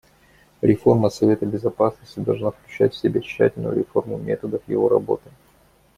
Реформа Совета Безопасности должна включать в себя тщательную реформу методов его работы.